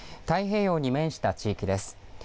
太平洋に面した地域です。